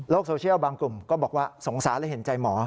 โซเชียลบางกลุ่มก็บอกว่าสงสารและเห็นใจหมอ